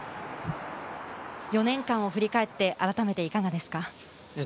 ４年間を振り返って改めていかがですか？